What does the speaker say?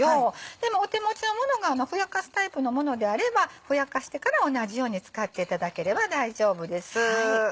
でもお手持ちのものがふやかすタイプのものであればふやかしてから同じように使っていただければ大丈夫です。